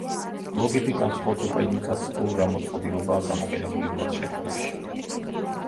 ბლოგები განსხვავდება იმითაც, თუ რა მოწყობილობაა გამოყენებული მათ შექმნაში.